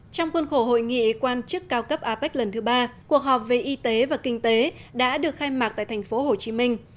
trong khuôn khổ hội nghị quan chức cao cấp apec lần thứ ba cuộc họp về y tế và kinh tế đã được khai mạc tại thành phố hồ chí minh